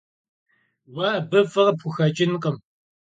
Vue abı f'ı khıpxuxeç'ınkhım.